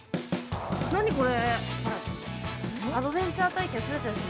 ◆何これ。